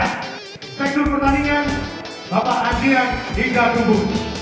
spektrum pertandingan bapak adrian hingga numbu